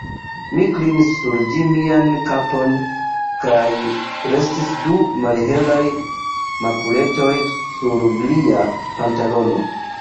Mi klinis sur ĝi mian kapon kaj restis du malhelaj makuletoj sur lia pantalono.